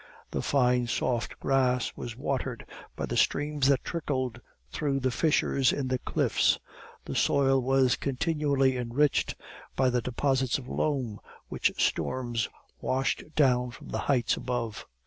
The fine soft grass was watered by the streams that trickled through the fissures in the cliffs; the soil was continually enriched by the deposits of loam which storms washed down from the heights above.